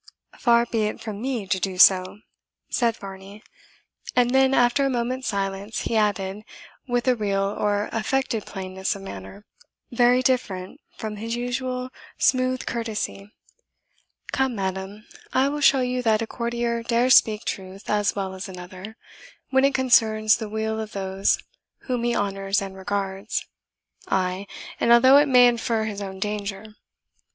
"Far be it from me to do so," said Varney. And then, after a moment's silence, he added, with a real or affected plainness of manner, very different from his usual smooth courtesy, "Come, madam, I will show you that a courtier dare speak truth as well as another, when it concerns the weal of those whom he honours and regards, ay, and although it may infer his own danger."